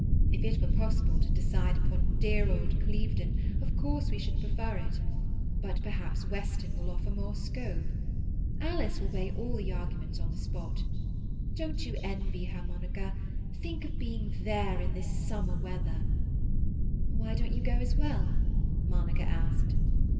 If it were possible to decide upon dear old Clevedon, of course we should prefer it; but perhaps Weston will offer more scope. Alice will weigh all the arguments on the spot. Don't you envy her, Monica? Think of being there in this summer weather!" "Why don't you go as well?" Monica asked.